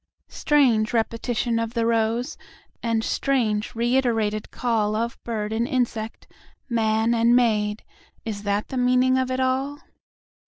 Strange repetition of the rose, And strange reiterated callOf bird and insect, man and maid,—Is that the meaning of it all?